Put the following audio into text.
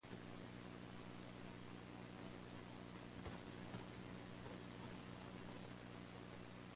Collegedale is home to Southern Adventist University.